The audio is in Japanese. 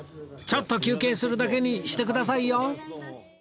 ちょっと休憩するだけにしてくださいよ！